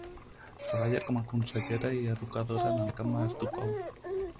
Treballa com a consellera i educadora en el camp a Estocolm.